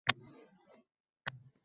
Bojxona hujjatlarini ko’rsating, iltimos.